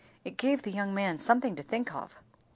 It gave the young man something to think of.